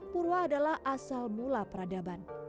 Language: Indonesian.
purwa adalah asal mula peradaban